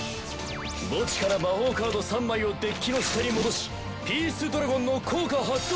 墓地から魔法カード３枚をデッキの下に戻しピース・ドラゴンの効果発動！